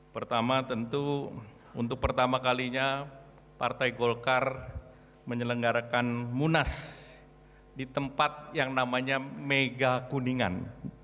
pertama tentu untuk pertama kalinya partai golkar menyelenggarakan munas di tempat yang namanya mega kuningan